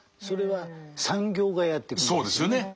それは産業がやってくれるんですよね。